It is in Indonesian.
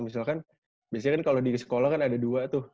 misalkan biasanya kan kalau di sekolah kan ada dua tuh